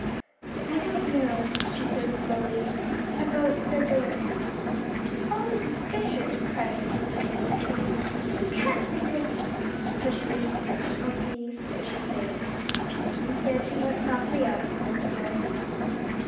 "I don't know," she said slowly, "about their going now." "Oh, Mrs. Fisher," cried Mrs. Whitney, in dismay, "you can't think of " but she didn't finish, on seeing Mrs. Fisher's face. Instead, she went softly out and closed the door.